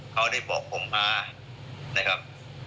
เขาได้บอกผมมานะครับ